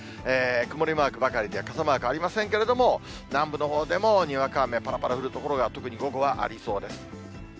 曇りマークばかりで、傘マークありませんけれども、南部のほうでもにわか雨、ぱらぱらと降る所が、特に午後はありそうです。